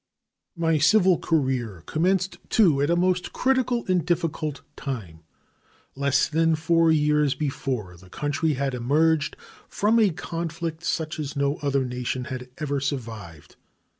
My civil career commenced, too, at a most critical and difficult time. Less than four years before, the country had emerged from a conflict such as no other nation had ever survived.